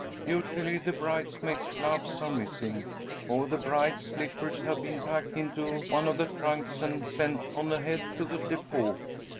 "Usually the bridesmaids' gloves are missing, or the bride's slippers have been packed into one of the trunks and sent on ahead to the depot.